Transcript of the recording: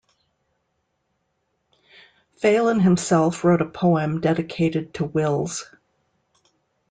Phelan himself wrote a poem dedicated to Wills.